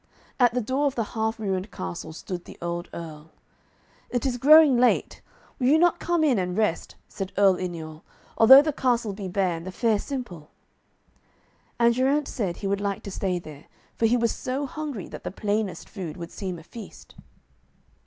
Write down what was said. At the door of the half ruined castle stood the old Earl. 'It is growing late. Will you not come in and rest,' said Earl Yniol, 'although the castle be bare, and the fare simple?' And Geraint said he would like to stay there, for he was so hungry that the plainest food would seem a feast.